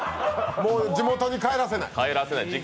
地元に帰らせない。